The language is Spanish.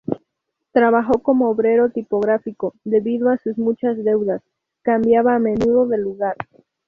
Trabajó como obrero tipográfico; debido a sus muchas deudas, cambiaba a menudo de lugar.